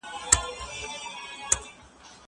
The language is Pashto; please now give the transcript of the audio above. زه اوږده وخت نان خورم!